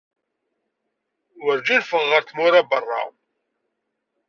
Werǧin ffɣeɣ ɣer tmura n berra.